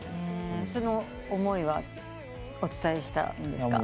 その思いはお伝えしたんですか？